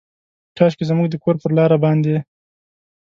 کاشکي زموږ د کور پر لاره باندې،